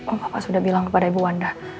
oh bapak sudah bilang kepada ibu wanda